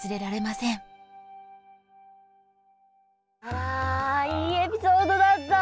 わいいエピソードだった。